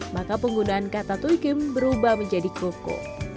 maka penggunaan kata tui kim berubah menjadi koko